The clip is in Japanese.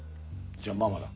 じゃあママだ。